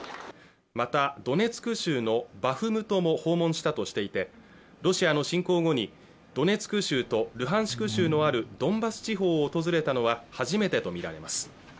またドネツク州のバフムトの訪問したとしていてロシアの侵攻後にドネツク州とルハンスク州のあるドンバス地方を訪れたのは初めてと見られます